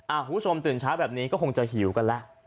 คุณผู้ชมตื่นเช้าแบบนี้ก็คงจะหิวกันแล้ว